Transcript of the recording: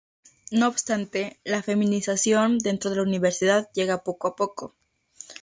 No obstante, la feminización dentro de la universidad llega poco a poco.